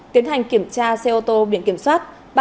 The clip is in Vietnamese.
tiến hành kiểm tra xe ô tô biển kiểm soát